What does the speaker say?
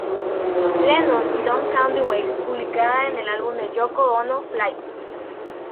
Lennon" y "Don't Count The Waves", publicadas en el álbum de Yōko Ono "Fly".